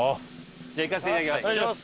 じゃあいかせていただきます。